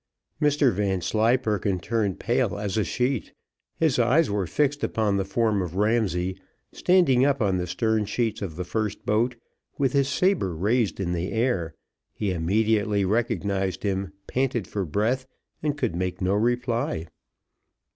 Mr Vanslyperken turned pale as a sheet; his eyes were fixed upon the form of Ramsay, standing up on the stern sheets of the first boat, with his sabre raised in the air he immediately recognised him, panted for breath, and could make no reply.